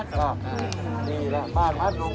พี่พ่อกลับไปชะเทศนะพี่พ่อกลับไปชะเทศนะ